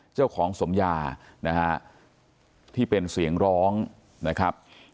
สมยานะฮะที่เป็นเสียงร้องนะครับ